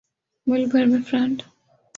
ملک بھر میں فرنٹ